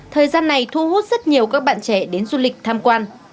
thời gian này thu hút rất nhiều các bạn trẻ đến du lịch tham quan